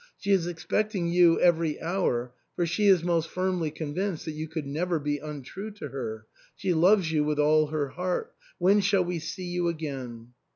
She is expecting you every hour, for she is most firmly con vinced that you could never be untrue to her. She loves you with all her heart. When shall we see you again